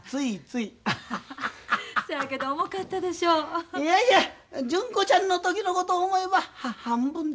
いやいや純子ちゃんの時のことを思えば半分ですか。